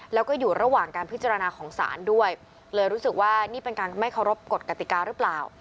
แล้วก็อยู่ระหว่างการพิจารณาของศาลด้วยเลยรู้สึกว่านี่เป็นการไม่เคารพกฎกติกาหรือเปล่า